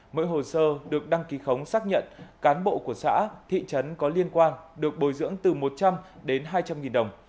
mỗi hồ sơ được đăng ký khống xác nhận cán bộ của xã thị trấn có liên quan được bồi dưỡng từ một trăm linh đến hai trăm linh nghìn đồng